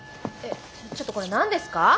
ちょっとこれ何ですか？